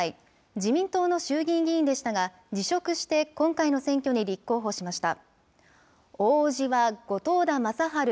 自民党の衆議院議員でしたが、辞職して今回の選挙に立候補しました。